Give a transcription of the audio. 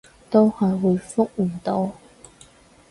都係回覆唔到